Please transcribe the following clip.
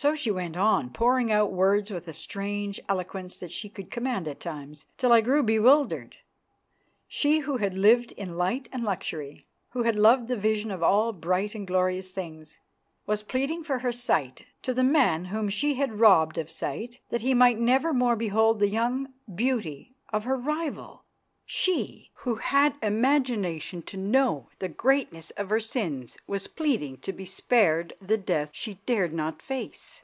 So she went on pouring out words with the strange eloquence that she could command at times, till I grew bewildered. She who had lived in light and luxury, who had loved the vision of all bright and glorious things, was pleading for her sight to the man whom she had robbed of sight that he might never more behold the young beauty of her rival. She who had imagination to know the greatness of her sins was pleading to be spared the death she dared not face.